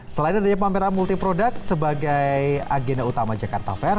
selain adanya pameran multi product sebagai agenda utama jakarta fair